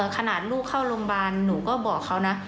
ขนาดลูกเข้าโรงพยาบาลหนูก็บอกเขานะ